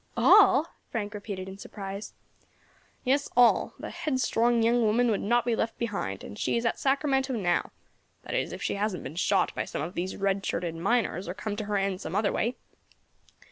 "All!" Frank repeated in surprise. "Yes, all; the headstrong young woman would not be left behind, and she is at Sacramento now, that is if she hasn't been shot by some of these red shirted miners, or come to her end some other way.